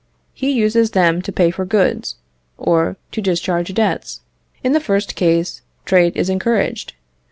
He uses them to pay for goods, or to discharge debts. In the first case, trade is encouraged.